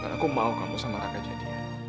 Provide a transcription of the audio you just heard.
dan aku mau kamu sama raka jadi